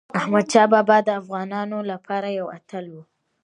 احمدشاه بابا د افغانانو لپاره یو اتل و.